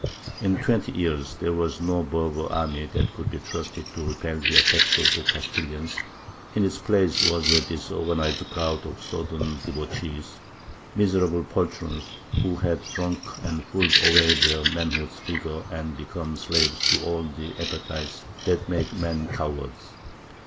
In twenty years there was no Berber army that could be trusted to repel the attacks of the Castilians; in its place was a disorganized crowd of sodden debauchees, miserable poltroons, who had drunk and fooled away their manhood's vigour and become slaves to all the appetites that make men cowards.